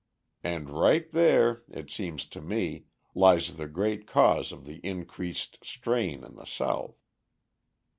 And right there, it seems to me, lies the great cause of the increased strain in the South.